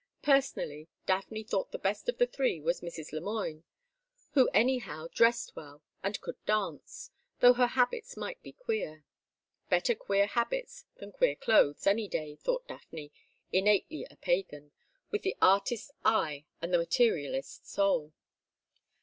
Personally Daphne thought the best of the three was Mrs. Le Moine, who anyhow dressed well and could dance, though her habits might be queer. Better queer habits than queer clothes, any day, thought Daphne, innately a pagan, with the artist's eye and the materialist's soul.